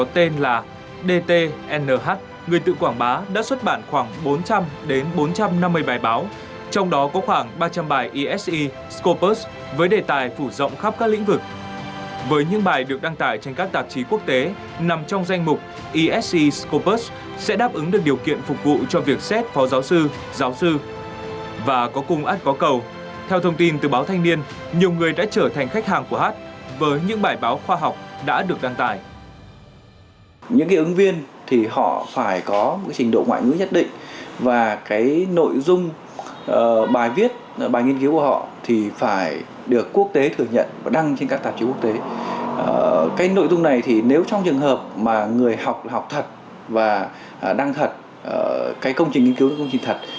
thì nếu trong trường hợp mà người học là học thật và đăng thật cái công trình nghiên cứu là công trình thật